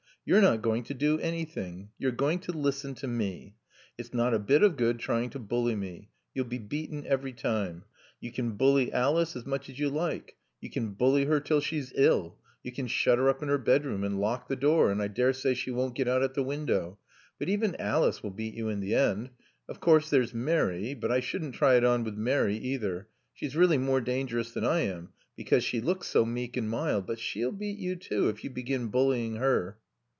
You're not going to do anything. You're going to listen to me. It's not a bit of good trying to bully me. You'll be beaten every time. You can bully Alice as much as you like. You can bully her till she's ill. You can shut her up in her bedroom and lock the door and I daresay she won't get out at the window. But even Alice will beat you in the end. Of course there's Mary. But I shouldn't try it on with Mary either. She's really more dangerous than I am, because she looks so meek and mild. But she'll beat you, too, if you begin bullying her."